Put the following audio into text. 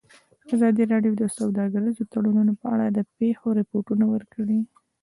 ازادي راډیو د سوداګریز تړونونه په اړه د پېښو رپوټونه ورکړي.